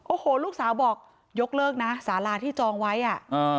โอ้โหลูกสาวบอกยกเลิกนะสาราที่จองไว้อ่ะอ่า